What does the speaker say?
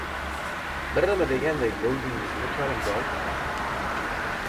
— Bir nima deganday bo‘ldingizmi, Karimboy?